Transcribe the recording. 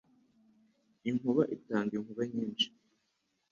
Inkuba itanga inkuba nyinshi.